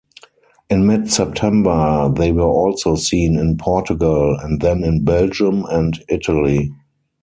In mid-September, they were also seen in Portugal, and then in Belgium and Italy.